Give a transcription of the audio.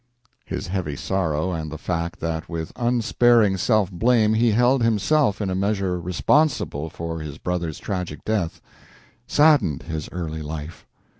His heavy sorrow, and the fact that with unsparing self blame he held himself in a measure responsible for his brother's tragic death, saddened his early life.